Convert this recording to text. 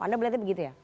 anda melihatnya begitu ya